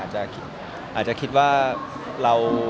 อาจจะคิดว่าเรา